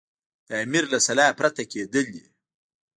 د امیر له سلا پرته کېدلې.